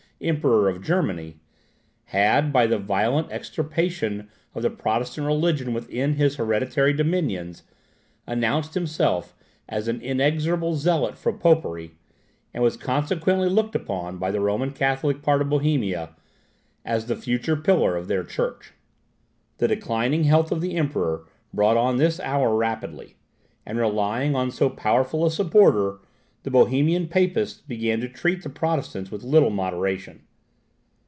Emperor of Germany, had, by the violent extirpation of the Protestant religion within his hereditary dominions, announced himself as an inexorable zealot for popery, and was consequently looked upon by the Roman Catholic part of Bohemia as the future pillar of their church. The declining health of the Emperor brought on this hour rapidly; and, relying on so powerful a supporter, the Bohemian Papists began to treat the Protestants with little moderation.